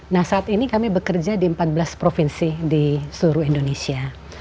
nah saat ini kami bekerja di empat belas provinsi di seluruh indonesia